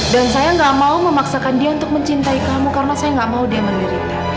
dan saya nggak mau memaksakan dia untuk mencintai kamu karena saya nggak mau dia menderita